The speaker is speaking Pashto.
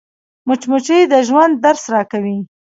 مچمچۍ د ژوند درس راکوي